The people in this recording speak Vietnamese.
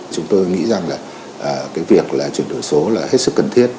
chúng tôi nghĩ rằng việc chuyển đổi số là hết sức cần thiết